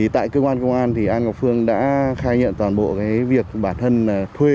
tại cơ quan công an thì an ngọc phương đã khai nhận toàn bộ việc bản thân thuê